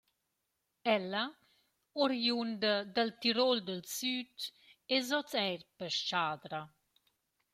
Ella, oriunda dal Tirol dal süd, es hoz eir pes-chadra.